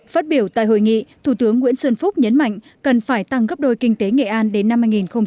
phát biểu tại hội nghị thủ tướng nguyễn xuân phúc nhấn mạnh cần phải tăng gấp đôi kinh tế nghệ an đến năm hai nghìn ba mươi